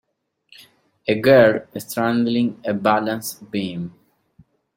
A Girl straddling a balance beam.